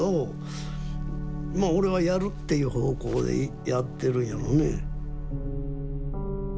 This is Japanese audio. まあ俺はやるっていう方向でやってるんやろね。